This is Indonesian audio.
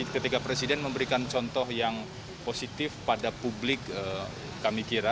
ketika presiden memberikan contoh yang positif pada publik kami kira